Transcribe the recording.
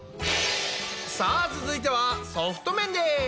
さあ続いてはソフト麺です！